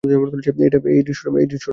এই দৃশ্যটা দেখো।